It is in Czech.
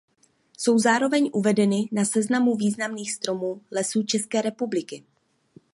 Jsou zároveň uvedeny na seznamu významných stromů Lesů České republiky.